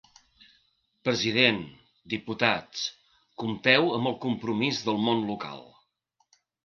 President, diputats: compteu amb el compromís del món local.